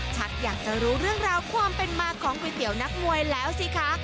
อยากจะรู้เรื่องราวความเป็นมาของก๋วยเตี๋ยวนักมวยแล้วสิคะ